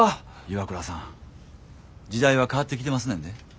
岩倉さん時代は変わってきてますねんで。